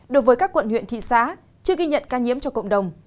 đối với các quận huyện thị xã chưa ghi nhận ca nhiễm cho cộng đồng